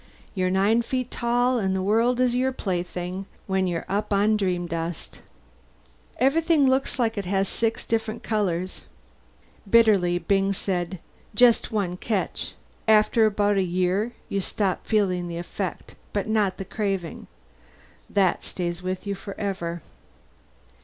You're nine feet tall and the world's your plaything, when you're up on dream dust. Everything you look at has six different colors." Bitterly Byng said, "Just one catch after about a year you stop feeling the effect. But not the craving. That stays with you forever.